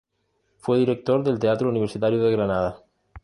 Fue director del Teatro Universitario de Granada.